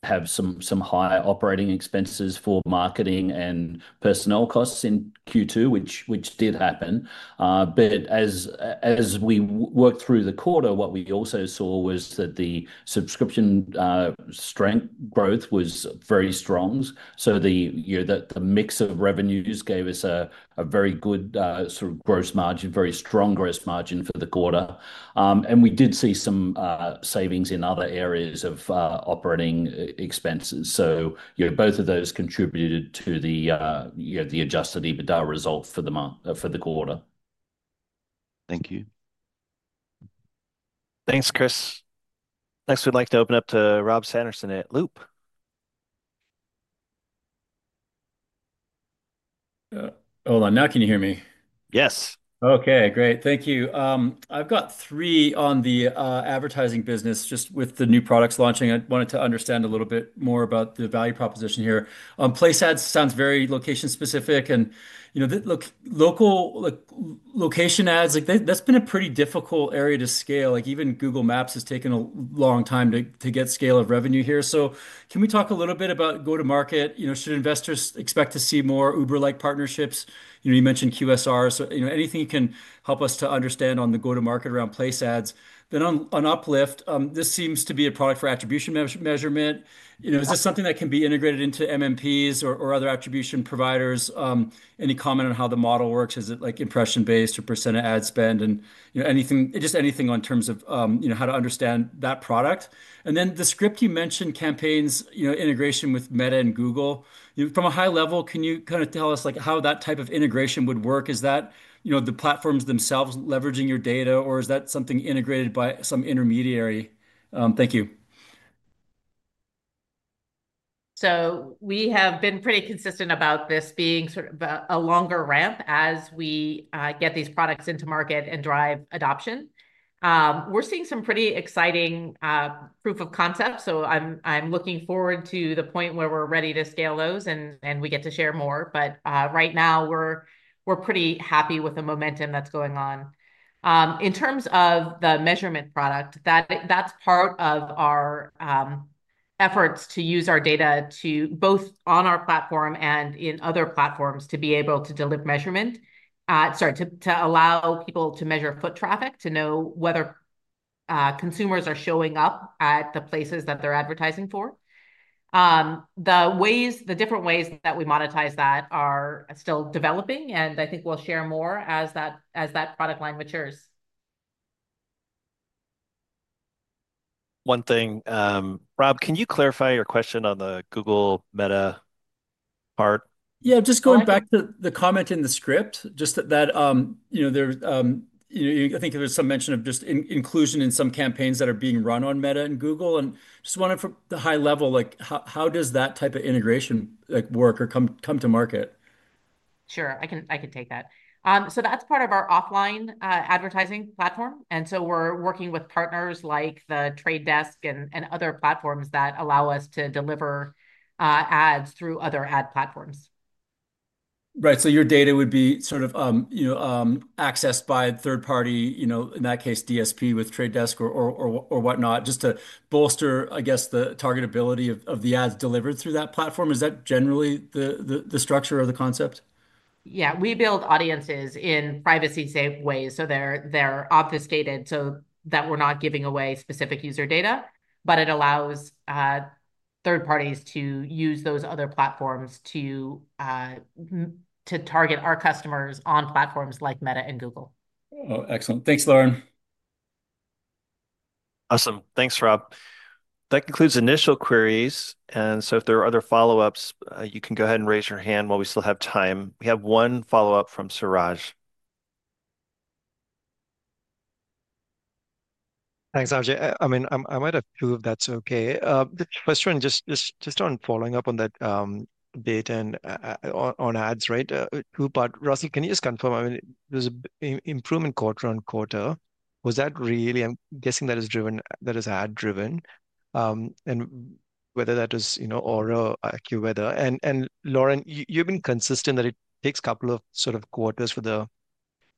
have some higher operating expenses for marketing and personnel costs in Q2, which did happen. As we worked through the quarter, what we also saw was that the subscription strength growth was very strong. The mix of revenues gave us a very good sort of gross margin, very strong gross margin for the quarter. We did see some savings in other areas of operating expenses. Both of those contributed to the adjusted EBITDA result for the quarter. Thank you. Thanks, Chris. Next, we'd like to open up to Rob Sanderson at Loop. Hold on. Now, can you hear me? Yes. Okay, great. Thank you. I've got three on the advertising business, just with the new products launching. I wanted to understand a little bit more about the value proposition here. Place Ads sounds very location-specific, and you know, local location ads, like that's been a pretty difficult area to scale. Even Google Maps has taken a long time to get scale of revenue here. Can we talk a little bit about go-to-market? Should investors expect to see more Uber-like partnerships? You mentioned QSRs. Anything you can help us to understand on the go-to-market around Place Ads. Then, on Uplift, this seems to be a product for attribution measurement. Is this something that can be integrated into MMPs or other attribution providers? Any comment on how the model works? Is it like impression-based or percent of ad spend? Anything in terms of how to understand that product. The script you mentioned, campaigns, integration with Meta and Google. From a high level, can you kind of tell us how that type of integration would work? Is that the platforms themselves leveraging your data, or is that something integrated by some intermediary? Thank you. We have been pretty consistent about this being sort of a longer ramp as we get these products into market and drive adoption. We're seeing some pretty exciting proof of concepts. I'm looking forward to the point where we're ready to scale those and we get to share more. Right now, we're pretty happy with the momentum that's going on. In terms of the measurement product, that's part of our efforts to use our data both on our platform and in other platforms to be able to deliver measurement, to allow people to measure foot traffic, to know whether consumers are showing up at the places that they're advertising for. The different ways that we monetize that are still developing, and I think we'll share more as that product line matures. One thing, Rob, can you clarify your question on the Google Meta part? Yeah, just going back to the comment in the script, I think there was some mention of just inclusion in some campaigns that are being run on Meta and Google. I just wanted, from the high level, how does that type of integration work or come to market I can take that. That's part of our offline advertising platform. We're working with partners like The Trade Desk and other platforms that allow us to deliver ads through other ad platforms. Right. Your data would be sort of accessed by third party, you know, in that case, DSP with Trade Desk or whatnot, just to bolster, I guess, the targetability of the ads delivered through that platform. Is that generally the structure or the concept? We build audiences in privacy-safe ways. They're obfuscated so that we're not giving away specific user data, but it allows third parties to use those other platforms to target our customers on platforms like Meta and Google. Oh, excellent. Thanks, Lauren. Awesome. Thanks, Rob. That concludes initial queries. If there are other follow-ups, you can go ahead and raise your hand while we still have time. We have one follow-up from Suraj. Thanks, RJ. I mean, I might approve if that's okay. The question just on following up on that data and on ads, right? Russell, can you just confirm, I mean, there's an improvement quarter on quarter. Was that really, I'm guessing that is ad-driven and whether that was, you know, Aura, AccuWeather. Lauren, you've been consistent that it takes a couple of sort of quarters for the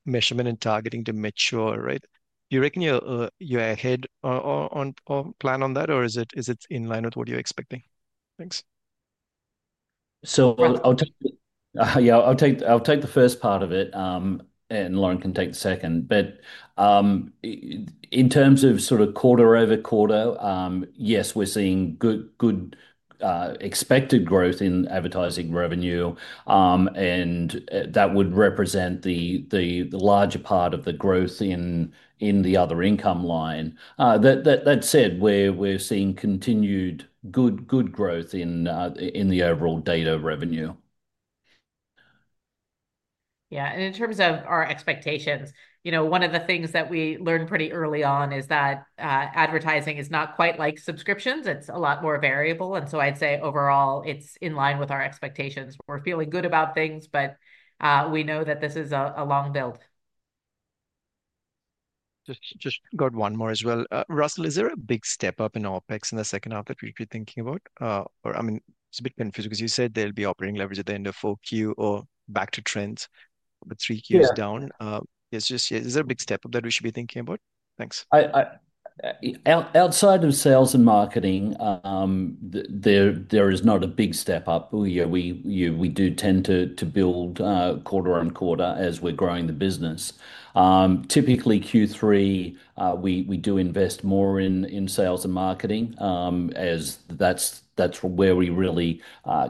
measurement and targeting to mature, right? Do you reckon you're ahead on plan on that, or is it in line with what you're expecting? Thanks. I'll take the first part of it, and Lauren can take the second. In terms of sort of quarter-over-quarter, yes, we're seeing good expected growth in advertising revenue, and that would represent the larger part of the growth in the other income line. That said, we're seeing continued good growth in the overall data revenue. Yeah, in terms of our expectations, you know, one of the things that we learned pretty early on is that advertising is not quite like subscriptions. It's a lot more variable. I'd say overall, it's in line with our expectations. We're feeling good about things, but we know that this is a long build. Just got one more as well. Russell, is there a big step up in OpEx in the second half that we've been thinking about? I mean, it's a bit confusing because you said there'll be operating leverage at the end of 4Q or back to trends, but 3Q is down. Is there a big step up that we should be thinking about? Thanks. Outside of sales and marketing, there is not a big step up. We do tend to build quarter on quarter as we're growing the business. Typically, Q3, we do invest more in sales and marketing as that's where we really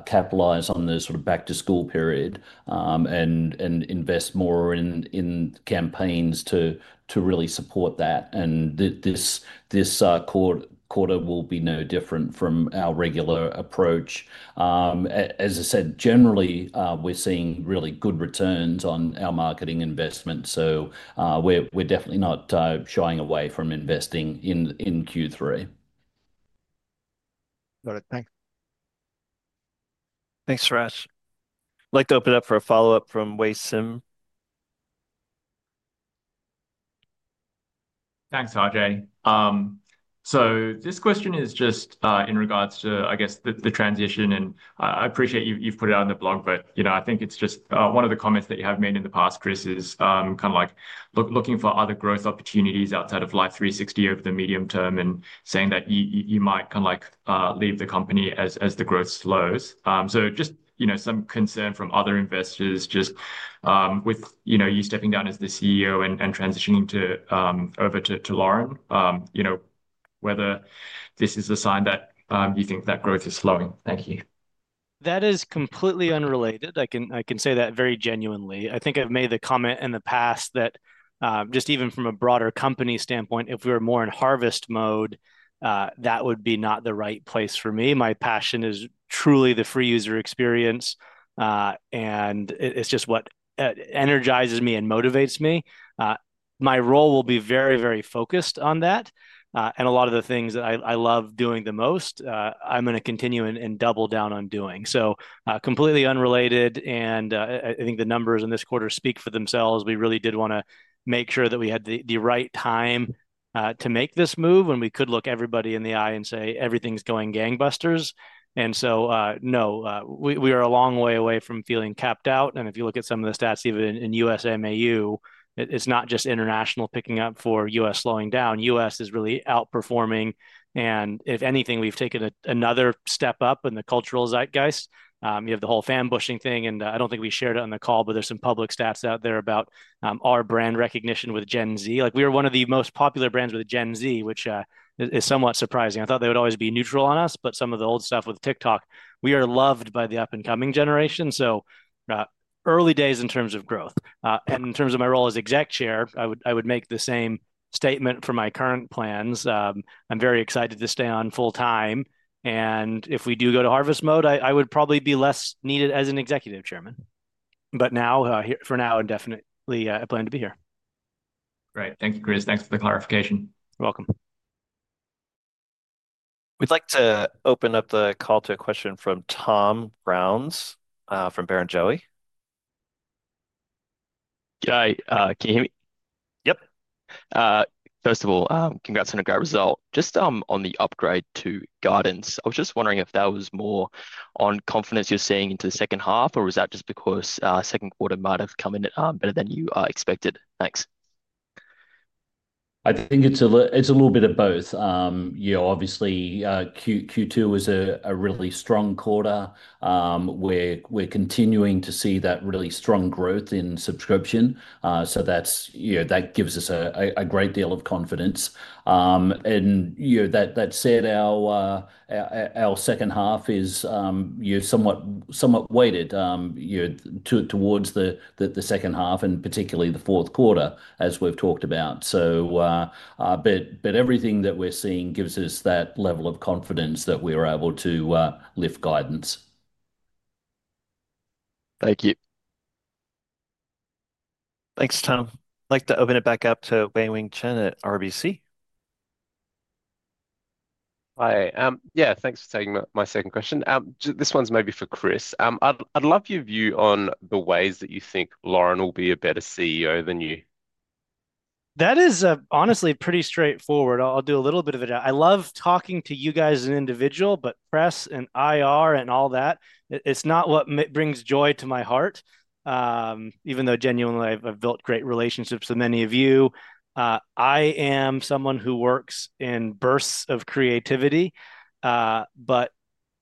capitalize on the sort of back-to-school period and invest more in campaigns to really support that. This quarter will be no different from our regular approach. As I said, generally, we're seeing really good returns on our marketing investment. We're definitely not shying away from investing in Q3. Got it. Thanks. Thanks, Suraj. I'd like to open it up for a follow-up from Wei Sim. Thanks, RJ. This question is just in regards to, I guess, the transition. I appreciate you've put it out in the blog, but I think it's just one of the comments that you have made in the past, Chris, is kind of like looking for other growth opportunities outside of Life360 over the medium term and saying that you might kind of like leave the company as the growth slows. Just, you know, some concern from other investors with you stepping down as the CEO and transitioning over to Lauren, whether this is a sign that you think that growth is slowing. Thank you. That is completely unrelated. I can say that very genuinely. I think I've made the comment in the past that just even from a broader company standpoint, if we were more in harvest mode, that would be not the right place for me. My passion is truly the free user experience, and it's just what energizes me and motivates me. My role will be very, very focused on that. A lot of the things that I love doing the most, I'm going to continue and double down on doing. Completely unrelated, and I think the numbers in this quarter speak for themselves. We really did want to make sure that we had the right time to make this move, and we could look everybody in the eye and say everything's going gangbusters. No, we are a long way away from feeling capped out. If you look at some of the stats even in U.S. MAU, it's not just international picking up for U.S. slowing down. U.S. is really outperforming. If anything, we've taken another step up in the cultural zeitgeist. You have the whole Fan Bushing thing, and I don't think we shared it on the call, but there's some public stats out there about our brand recognition with Gen Z. We are one of the most popular brands with Gen Z, which is somewhat surprising. I thought they would always be neutral on us, but some of the old stuff with TikTok, we are loved by the up-and-coming generation. Early days in terms of growth. In terms of my role as Exec Chair, I would make the same statement for my current plans. I'm very excited to stay on full time. If we do go to harvest mode, I would probably be less needed as an Executive Chairman. For now, I definitely plan to be here. Great. Thank you, Chris. Thanks for the clarification. You're welcome. We'd like to open up the call to a question from Tom Brown from Barrenjoey. Yeah, can you hear me? Yep. First of all, congrats on a great result. Just on the upgrade to guidance, I was just wondering if that was more on confidence you're seeing into the second half, or was that just because second quarter might have come in better than you expected? Thanks. I think it's a little bit of both. Obviously, Q2 was a really strong quarter. We're continuing to see that really strong growth in subscription, so that gives us a great deal of confidence. That said, our second half is somewhat weighted towards the second half and particularly the fourth quarter, as we've talked about. Everything that we're seeing gives us that level of confidence that we're able to lift guidance. Thank you. Thanks, Tom. I'd like to open it back up to Wei-Weng Chen at RBC. Hi. Yeah, thanks for taking my second question. This one's maybe for Chris. I'd love your view on the ways that you think Lauren will be a better CEO than you. That is honestly pretty straightforward. I'll do a little bit of it. I love talking to you guys as an individual, but press and IR and all that, it's not what brings joy to my heart. Even though genuinely, I've built great relationships with many of you, I am someone who works in bursts of creativity. As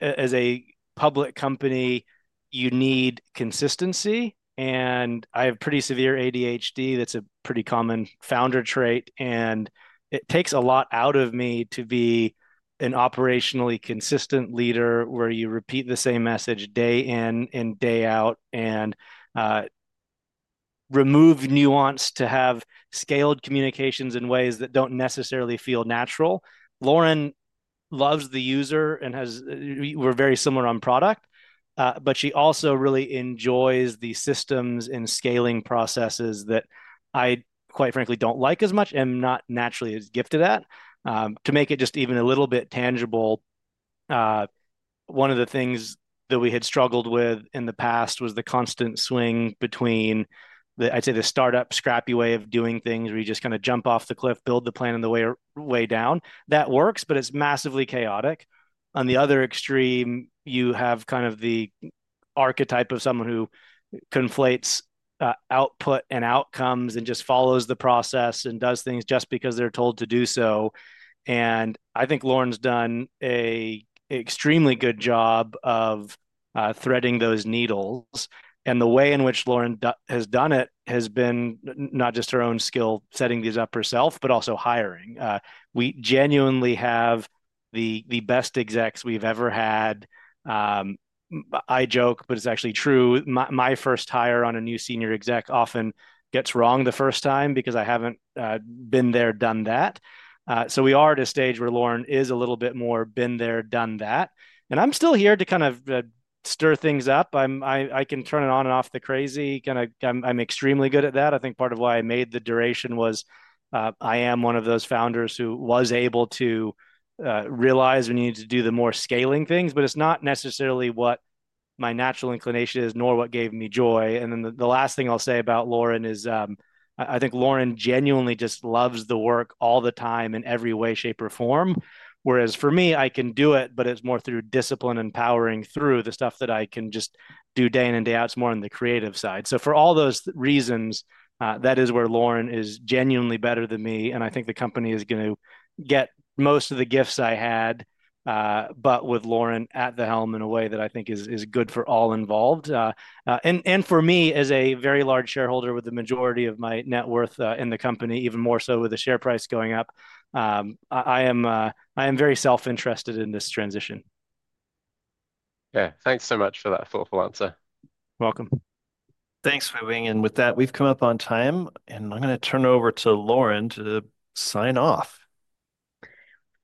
a public company, you need consistency. I have pretty severe ADHD. That's a pretty common founder trait. It takes a lot out of me to be an operationally consistent leader where you repeat the same message day in and day out and remove nuance to have scaled communications in ways that don't necessarily feel natural. Lauren loves the user and we're very similar on product, but she also really enjoys the systems and scaling processes that I, quite frankly, don't like as much and am not naturally as gifted at. To make it just even a little bit tangible, one of the things that we had struggled with in the past was the constant swing between, I'd say, the startup scrappy way of doing things, where you just kind of jump off the cliff, build the plan on the way down. That works, but it's massively chaotic. On the other extreme, you have kind of the archetype of someone who conflates output and outcomes and just follows the process and does things just because they're told to do so. I think Lauren's done an extremely good job of threading those needles. The way in which Lauren has done it has been not just her own skill setting these up herself, but also hiring. We genuinely have the best execs we've ever had. I joke, but it's actually true. My first hire on a new Senior Exec often gets wrong the first time because I haven't been there, done that. We are at a stage where Lauren is a little bit more been there, done that. I'm still here to kind of stir things up. I can turn it on and off, the crazy. I'm extremely good at that. I think part of why I made the duration was I am one of those founders who was able to realize we needed to do the more scaling things, but it's not necessarily what my natural inclination is, nor what gave me joy. The last thing I'll say about Lauren is I think Lauren genuinely just loves the work all the time in every way, shape, or form. Whereas for me, I can do it, but it's more through discipline and powering through the stuff that I can just do day in and day out. It's more on the creative side. For all those reasons, that is where Lauren is genuinely better than me. I think the company is going to get most of the gifts I had, but with Lauren at the helm in a way that I think is good for all involved. For me, as a very large shareholder with the majority of my net worth in the company, even more so with the share price going up, I am very self-interested in this transition. Okay, thanks so much for that thoughtful answer. Welcome. Thanks for weighing in with that. We've come up on time, and I'm going to turn over to Lauren to sign off.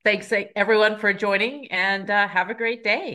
Thanks, everyone, for joining, and have a great day.